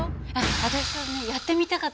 私それねやってみたかったの。